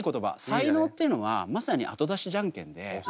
才能っていうのはまさにあと出しじゃんけんで。